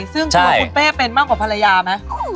ซึ่งตัวคุณเป้เป็นมากกว่าภรรยาไหม